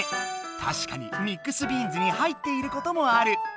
たしかにミックスビーンズに入っていることもある。